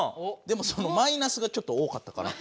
でもマイナスがちょっと多かったかな。